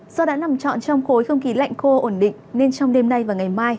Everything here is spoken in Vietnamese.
do đã nằm trọn trong khối không khí lạnh khô ổn định nên trong đêm nay và ngày mai